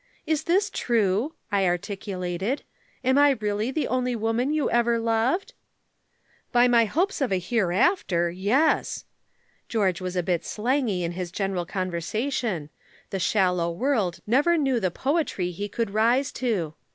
"'Is this true?' I articulated. 'Am I really the only woman you ever loved?' "'By my hopes of a hereafter, yes!' George was a bit slangy in his general conversation. The shallow world never knew the poetry he could rise to.